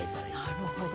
なるほど。